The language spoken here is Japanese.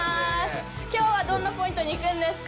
きょうはどんなポイントに行くんですか？